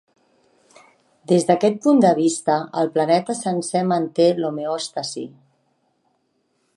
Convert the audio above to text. Des d'aquest punt de vista, el planeta sencer manté l'homeòstasi.